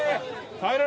帰れ！